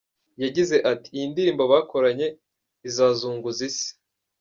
Yagize ati :”Iyi ndirimbo bakoranye izazunguza isi”.